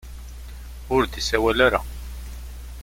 Ur d-isawal ara.